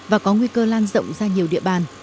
và có nguy cơ lan rộng ra nhiều địa bàn